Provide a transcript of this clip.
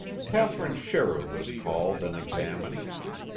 Katherine Scherrer was called and examined.